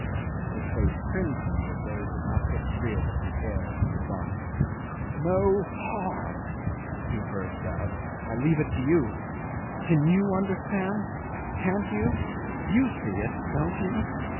'His face crimsoned as though he could not get rid of the air in his lungs. '"No harm!" he burst out. "I leave it to you. You can understand. Can't you? You see it don't you?